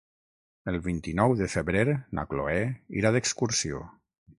El vint-i-nou de febrer na Cloè irà d'excursió.